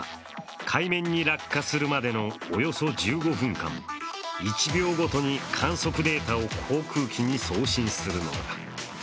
海面に落下するまでのおよそ１５分間、１秒ごとに観測データを航空機に送信するのだ。